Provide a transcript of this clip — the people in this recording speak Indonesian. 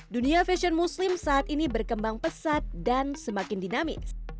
dunia fashion muslim saat ini berkembang pesat dan semakin dinamis